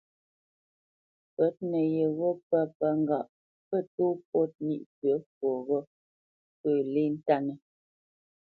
Pə̌t nə yó pə̂ pə́ ŋgâʼ pə tó pôt nî fyə̌ fwoghó pə lê ntánə́.